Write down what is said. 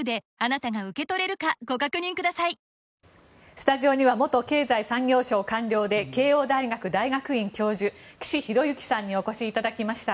スタジオには元経済産業省官僚で慶應大学大学院教授岸博幸さんにお越しいただきました。